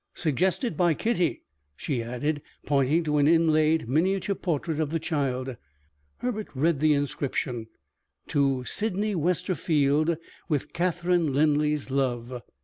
"Suggested by Kitty," she added, pointing to an inlaid miniature portrait of the child. Herbert read the inscription: _To Sydney Westerfield with Catherine Linley's love.